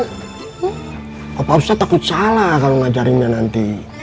pak pak ustadz takut salah kalau ngajarin dia nanti